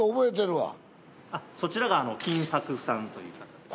そちらが金作さんという方です。